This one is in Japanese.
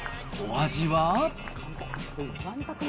お味は？